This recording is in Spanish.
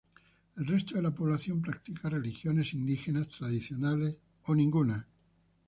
El resto de la población practica religiones indígenas tradicionales o ninguna.